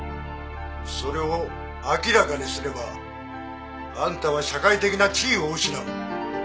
それを明らかにすればあんたは社会的な地位を失う。